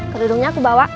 kerudungnya aku bawa